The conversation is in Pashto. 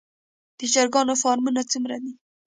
د چرګانو فارمونه څومره دي؟